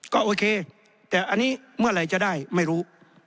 ก็โอเคแต่อันนี้เมื่อไหร่จะได้ไม่รู้